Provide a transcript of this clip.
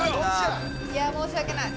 いや申し訳ない。